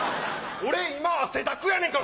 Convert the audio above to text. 俺今汗だくやねんから。